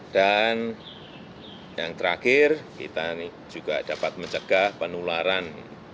dan yang terakhir kita juga dapat mencegah penularan